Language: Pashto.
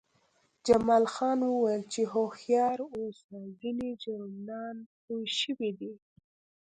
جمال خان وویل چې هوښیار اوسه ځینې جرمنان پوه شوي دي